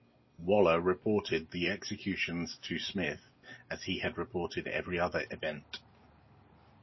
Waller reported the executions to Smith, as he had reported every other event.